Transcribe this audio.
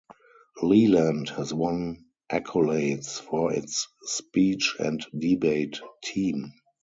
Leland has won accolades for its Speech and Debate team.